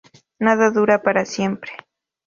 Nada dura para siempre.